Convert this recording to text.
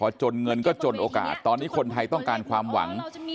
พอจนเงินก็จนโอกาสตอนนี้คนไทยต้องการความหวัง